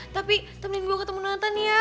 tapi temenin gue ke temun nathan ya